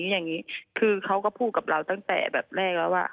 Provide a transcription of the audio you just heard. อย่างนี้คือเขาก็พูดกับเราตั้งแต่แบบแรกแล้วว่า